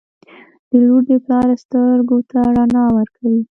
• لور د پلار سترګو ته رڼا ورکوي.